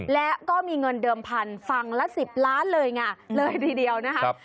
และก็มีเงินเดิมพันธุ์ฝั่งละ๑๐ล้านเลยไงเลยทีเดียวนะครับ